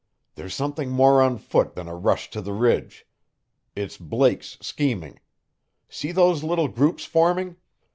"There's something more on foot than a rush to the ridge. It's Blake's scheming. See those little groups forming?